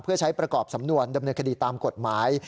เพื่อใช้ประกอบสำนวนดำเนินคดีตามกฎหมาย